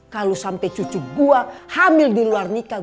kalo sampe cucu gue hamil di luar nikah